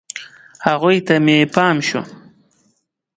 هغوی ته مې پام شو.